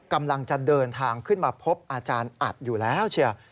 กำลังจะเดินทางขึ้นมาพบอาจารย์อัดอยู่แล้วเชียว